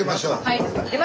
はい。